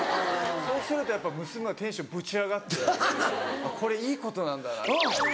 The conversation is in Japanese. そうするとやっぱ娘もテンションぶち上がってこれいいことなんだなって。